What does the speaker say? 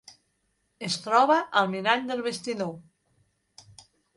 Es troba al mirall del vestidor.